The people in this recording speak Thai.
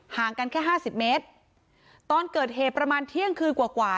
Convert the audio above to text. กันแค่ห้าสิบเมตรตอนเกิดเหตุประมาณเที่ยงคืนกว่ากว่า